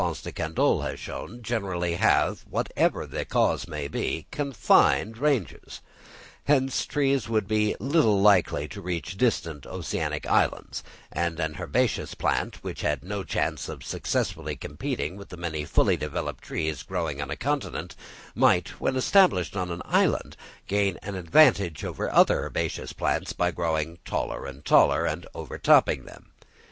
de Candolle has shown, generally have, whatever the cause may be, confined ranges. Hence trees would be little likely to reach distant oceanic islands; and an herbaceous plant, which had no chance of successfully competing with the many fully developed trees growing on a continent, might, when established on an island, gain an advantage over other herbaceous plants by growing taller and taller and overtopping them.